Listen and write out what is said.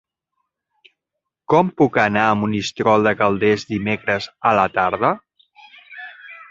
Com puc anar a Monistrol de Calders dimecres a la tarda?